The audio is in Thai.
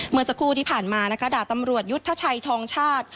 เมื่อสักครู่ที่ผ่านมานะคะดาบตำรวจยุทธชัยทองชาติ